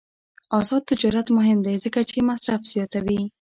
آزاد تجارت مهم دی ځکه چې مصرف زیاتوي.